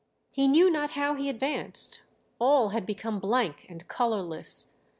He knew not how he advanced, all had become blank and colourless.